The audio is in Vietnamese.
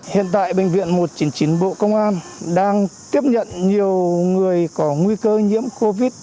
hiện tại bệnh viện một trăm chín mươi chín bộ công an đang tiếp nhận nhiều người có nguy cơ nhiễm covid